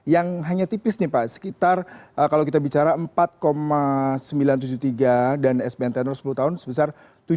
yang hanya tipis nih pak sekitar kalau kita bicara empat sembilan ratus tujuh puluh tiga dan sbn tenor sepuluh tahun sebesar tujuh